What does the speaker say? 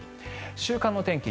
週間の天気